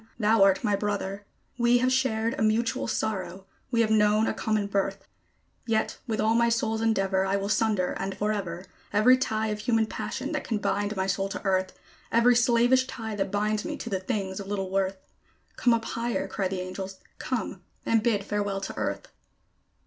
thou art my Brother. We have shared a mutual sorrow, we have known a common birth; Yet with all my soul's endeavor, I will sunder, and forever, Every tie of human passion that can bind my soul to Earth Every slavish tie that binds me to the things of little worth. "Come up higher!" cry the angels: "come! and bid farewell to Earth."